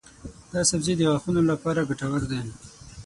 دا سبزی د غاښونو لپاره ګټور دی.